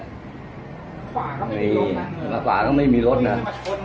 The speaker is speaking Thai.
สำหรับขวานก็ไม่มีรถแน่